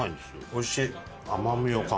おいしい。